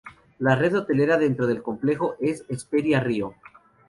La red hotelera dentro del complejo es Hesperia Rio.